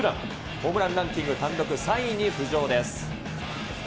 ホームランランキング単独３位に浮上です。